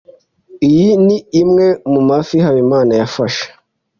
iyi ni imwe mu mafi habimana yafashe